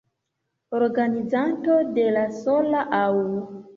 Organizanto de la sola Aŭ.